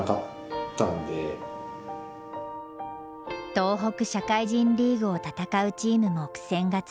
東北社会人リーグを戦うチームも苦戦が続いた。